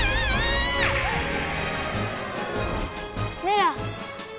メラ！